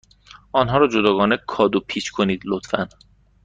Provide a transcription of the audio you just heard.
آنها را جداگانه کادو پیچ کنید، لطفا.